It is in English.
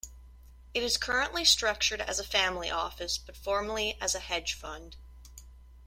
It is currently structured as a family office but formerly as a hedge fund.